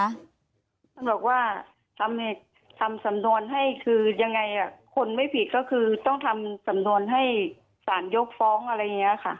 ท่านบอกว่าทำสำนวนให้คือยังไงคนไม่ผิดก็คือต้องทำสำนวนให้สารยกฟ้องอะไรอย่างนี้ค่ะ